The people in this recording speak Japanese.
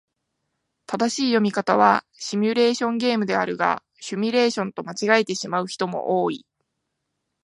正しい読み方はシミュレーションゲームであるが、シュミレーションと間違えてしまう人も多い。